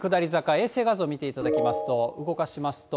衛星画像見ていただきますと、動かしますと。